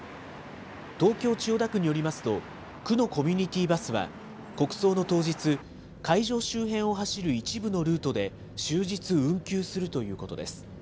東京・千代田区によりますと、区のコミュニティーバスは、国葬の当日、会場周辺を走る一部のルートで、終日運休するということです。